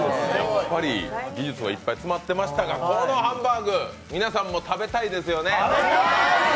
技術がいっぱい詰まってますが、このハンバーグ、皆さん食べたいですよね？